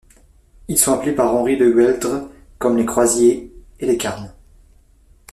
Ils sont appelés par Henri de Gueldre comme les Croisiers et les Carmes.